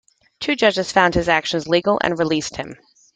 Two judges found his actions legal and released him.